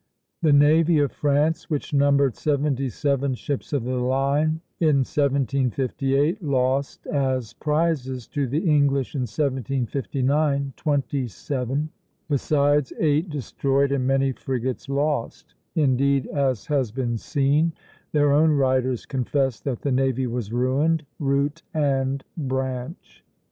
The navy of France, which numbered seventy seven ships of the line in 1758, lost as prizes to the English in 1759 twenty seven, besides eight destroyed and many frigates lost; indeed, as has been seen, their own writers confess that the navy was ruined, root and branch.